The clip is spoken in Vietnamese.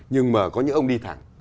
nhưng mà có những ông đi thẳng